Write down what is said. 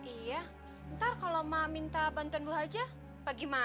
iya ntar kalau mak minta bantuan bu haji pak gimana